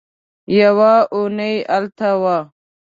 يوه اوونۍ هلته وه.